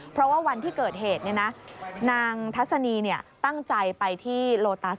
เพราะว่าวันที่เกิดเหตุนางทัศนีตั้งใจไปที่โลตัส